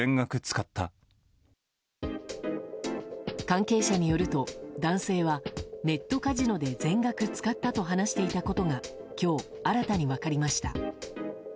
関係者によると、男性はネットカジノで全額使ったと話していたことが今日、新たに分かりました。